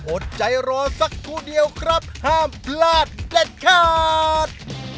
อดใจรอสักครู่เดียวครับห้ามพลาดเด็ดขาด